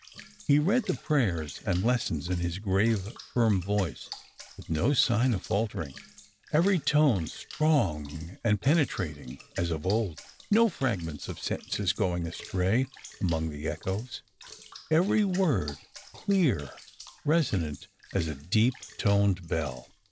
He read the prayers and lessons in his grave firm voice, with no sign of faltering, every tone strong and penetrating as of old, no fragments of sentences going astray among the echoes, every word clear, resonant as a deep toned bell.